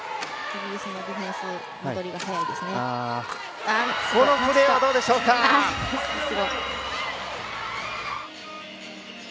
ディフェンス戻りが早いです。